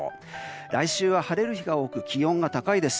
来週は晴れる日が多く気温が高いです。